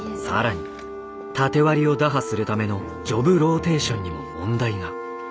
更に縦割りを打破するためのジョブローテーションにも問題が。